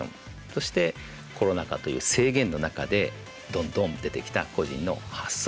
そしてコロナ禍という制限の中でどんどん出てきた個人の発想。